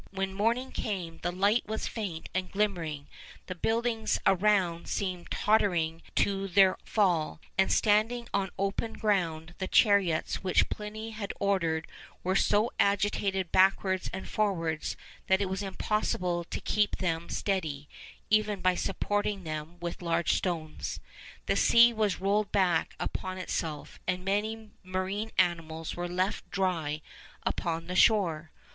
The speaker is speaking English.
When morning came, the light was faint and glimmering; the buildings around seemed tottering to their fall, and, standing on the open ground, the chariots which Pliny had ordered were so agitated backwards and forwards that it was impossible to keep them steady, even by supporting them with large stones. The sea was rolled back upon itself, and many marine animals were left dry upon the shore.